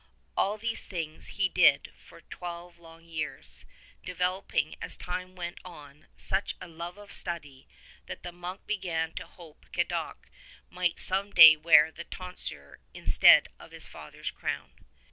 All these things he did for twelve long years, developing as time went on such a love of study that the monk began to hope Cadoc might some day wear the tonsure instead of his father's crown.